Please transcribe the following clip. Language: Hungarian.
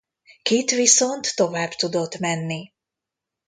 Kite viszont tovább tudott menni.